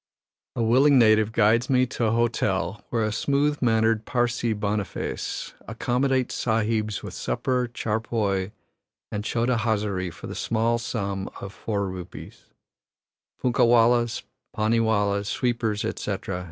A willing native guides me to a hotel where a smooth mannered Parsee Boniface accommodates Sahibs with supper, charpoy, and chota hazari for the small sum of Rs4; punkah wallahs, pahnee wallahs, sweepers, etc., extra.